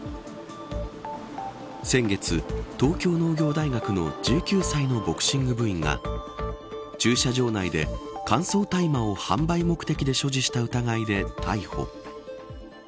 先月、東京農業大学の１９歳のボクシング部員が駐車場内で、乾燥大麻を販売目的で所持した疑いで逮捕。